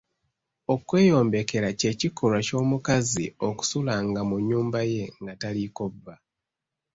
Okweyombekera kye kikolwa ky’omukazi okusulanga mu nnyumba ye nga taliiko bba.